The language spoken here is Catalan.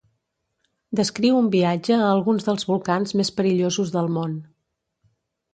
Descriu un viatge a alguns dels volcans més perillosos del món.